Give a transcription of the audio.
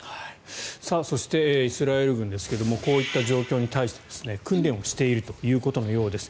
そしてイスラエル軍ですがこういった状況に対して訓練をしているということのようです。